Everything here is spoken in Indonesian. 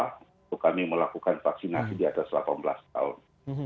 untuk kami melakukan vaksinasi di atas delapan belas tahun